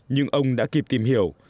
nhưng ông đã kịp tìm hiểu